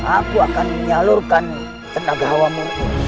aku akan menyalurkan tenaga hawa mu